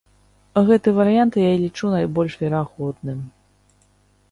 Гэты варыянт я лічу найбольш верагодным.